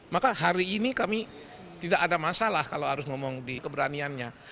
maka hari ini kami tidak ada masalah kalau harus ngomong di keberaniannya